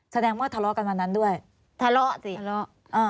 แสดงว่าทะเลาะกันวันนั้นด้วยทะเลาะสิทะเลาะอ่า